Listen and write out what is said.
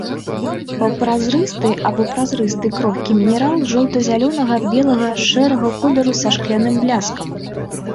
Паўпразрысты або празрысты крохкі мінерал жоўта-зялёнага, белага, шэрага колеру са шкляным бляскам.